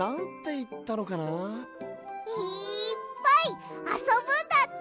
いっぱいあそぶんだって！